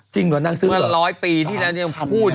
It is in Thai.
จริงหรอนักซื้อหรอ